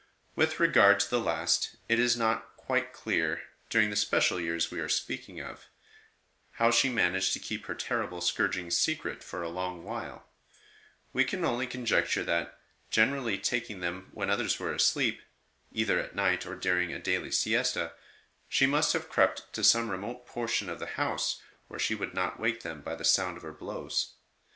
With regard to the last, it is not quite clear, during the special years we are speaking of, how she managed to keep her terrible scourgings secret for a long while ; we can only conjecture that, generally taking them when others were asleep, cither at night or during a daily siesta, she must have crept to some remote portion of the house where she would not wake them by the sound of her blows.